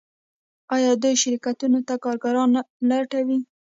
آیا دوی شرکتونو ته کارګران نه لټوي؟